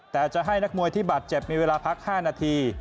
แต่จะให้นักมวยที่บาดเจ็บมีเวลาพัก๕นาที